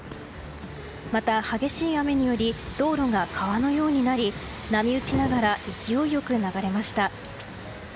また、激しい雨により道路が川のようになり波打ちながら勢い良く流れました。